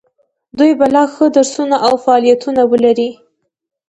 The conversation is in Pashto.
دوی به لا ښه درسونه او فعالیتونه ولري.